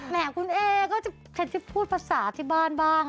แม่คุณเอก็จะพูดภาษาที่บ้านบ้าง